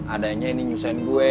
adanya ini nyusahin gue